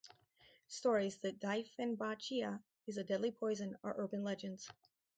Stories that "Dieffenbachia" is a deadly poison are urban legends.